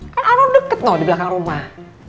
kan an nur deket dong dibelakang rumah